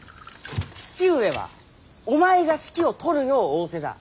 父上はお前が指揮を執るよう仰せだ。